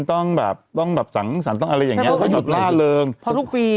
ต้องแบบต้องแบบสังสรรค์ต้องอะไรอย่างเงี้เขาหยุดล่าเริงเพราะทุกปี